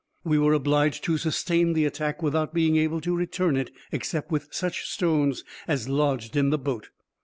We were obliged to sustain the attack without being able to return it, except with such stones as lodged in the boat.